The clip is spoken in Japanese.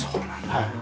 はい。